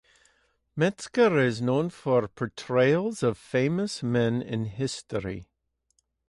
Metzger is known for portrayals of famous men in history.